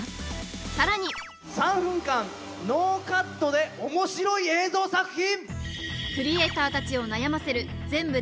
更に３分間ノーカットで面白い映像作品！